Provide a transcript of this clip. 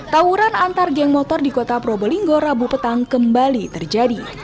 tawuran antar geng motor di kota probolinggo rabu petang kembali terjadi